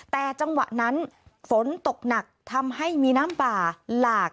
แต่จังหวะนั้นฝนตกหนักทำให้มีน้ำป่าหลาก